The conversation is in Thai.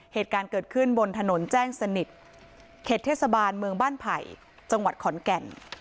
เหตุการณ์เกิดขึ้นบนถนนแจ้งสนิทเขตเทศบาลเมืองบ้านไผ่จังหวัดขอนแก่น